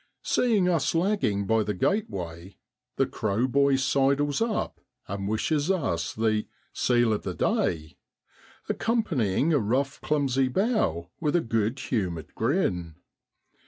Seeing us lagging by the gateway the crow boy sidles up and wishes us the 1 seal of the day,' accompanying a rough clumsy bow with a good humoured grin.